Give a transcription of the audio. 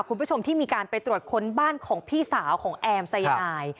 คุณผู้ชมที่มีการไปตรวจค้นบ้านของพี่สาวของแอมสายนาย